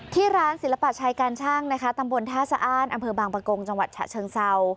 ที่ร้านศิลปะชัยการช่างนะคะตำบลท่าสะอ้านอำเภอบางประกงจังหวัดฉะเชิงเศร้า